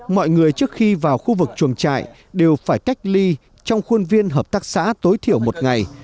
mọi người trước khi vào khu vực chuồng trại đều phải cách ly trong khuôn viên hợp tác xã tối thiểu một ngày